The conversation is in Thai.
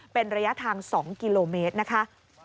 เป็นระยะทาง๒กิโลเมตรนะคะ